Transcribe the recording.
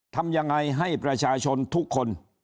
ทำยังไงให้ประชาชนทุกคน